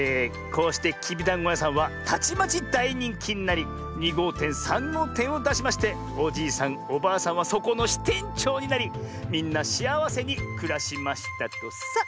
こうしてきびだんごやさんはたちまちだいにんきになり２ごうてん３ごうてんをだしましておじいさんおばあさんはそこのしてんちょうになりみんなしあわせにくらしましたとさ。